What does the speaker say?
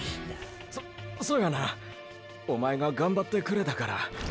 そそやなおまえががんばってくれたから。